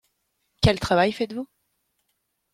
Quel travail faites-vous ?